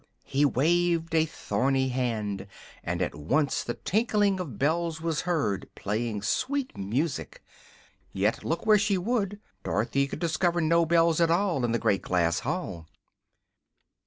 He waved a thorny hand and at once the tinkling of bells was heard, playing sweet music. Yet, look where she would, Dorothy could discover no bells at all in the great glass hall.